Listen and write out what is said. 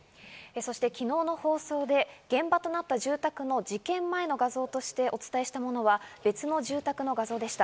そして昨日の放送で現場となった住宅の事件前の画像としてお伝えしたものは別の住宅の画像でした。